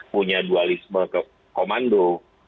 punya dualisme komando